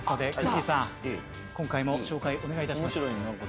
今回も紹介お願いいたします。